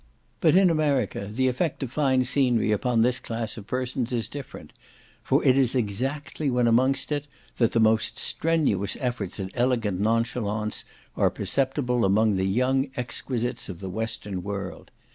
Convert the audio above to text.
But in America the effect of fine scenery upon this class of persons is different, for it is exactly when amongst it, that the most strenuous efforts at elegant nonchalance are perceptible among the young exquisites of the western world.